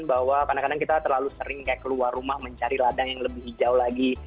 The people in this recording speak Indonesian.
bahwa kadang kadang kita terlalu sering kayak keluar rumah mencari ladang yang lebih hijau lagi